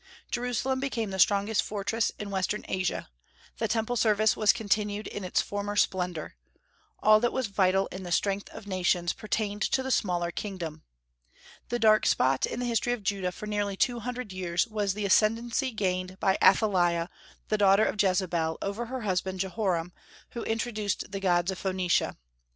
Jerusalem became the strongest fortress in western Asia; the Temple service was continued in its former splendor; all that was vital in the strength of nations pertained to the smaller kingdom. The dark spot in the history of Judah for nearly two hundred years was the ascendency gained by Athaliah, the daughter of Jezebel, over her husband Jehoram, who introduced the gods of Phoenicia.